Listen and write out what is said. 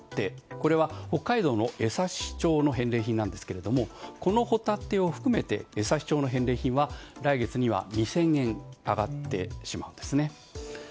これは、北海道の枝幸町の返礼品ですがこのホタテを含めて枝幸町の返礼品は来月には２０００円上がってしまうんです。